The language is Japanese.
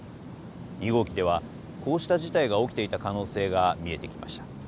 ２号機ではこうした事態が起きていた可能性が見えてきました。